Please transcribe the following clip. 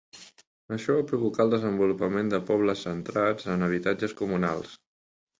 Això va provocar el desenvolupament de pobles centrats en habitatges comunals.